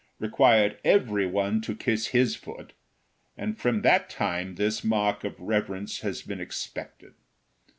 required every one to kiss his foot, and from that time this mark of reverence has been expected.